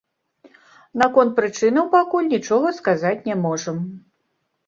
Наконт прычынаў пакуль нічога сказаць не можам.